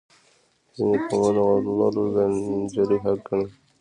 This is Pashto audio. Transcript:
ځینې قومونه ولور د نجلۍ حق ګڼي.